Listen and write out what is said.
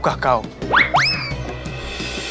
tapi sekarang ya hai lho